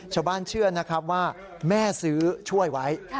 ชาวบ้านเชื่อว่าแม่ซื้อช่วยไว้